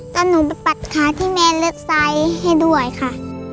ตอนหนูไปปัดค้าที่แม่เลือกไซส์ให้ด้วยค่ะ